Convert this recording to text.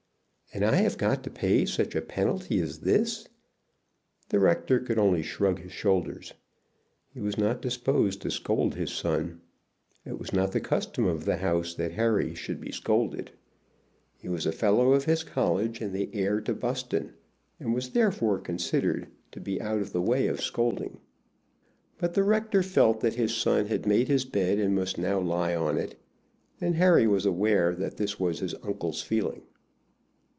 "And I have got to pay such a penalty as this?" The rector could only shrug his shoulders. He was not disposed to scold his son. It was not the custom of the house that Harry should be scolded. He was a fellow of his college and the heir to Buston, and was therefore considered to be out of the way of scolding. But the rector felt that his son had made his bed and must now lie on it, and Harry was aware that this was his father's feeling.